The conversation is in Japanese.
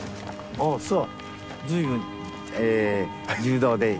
ああそう。